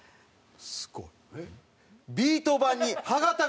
すごい。